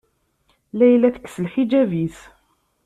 Layla tekkes lḥiǧab-is.